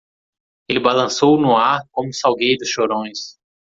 Ele balançou no ar como salgueiros chorões.